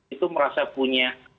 itu merasa punya